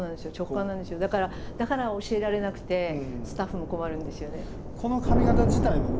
だからだから教えられなくてスタッフも困るんですよね。